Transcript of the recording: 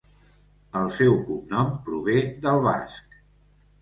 El seu cognom prové del basc.